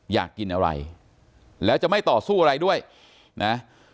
อยากกินอะไรแล้วจะไม่ต่อสู้อะไรด้วยนะ